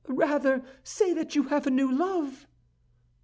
"Rather say that you have a new love."